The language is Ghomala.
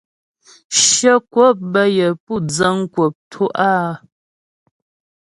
Shyə kwəp bə́ yə é pú dzəŋ kwəp tú' áa.